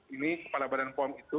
ini kepala badan pom itu